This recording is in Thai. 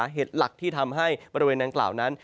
เห็นราคที่ทำให้บริเวณตาวนั้น